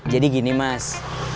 jadi gini mas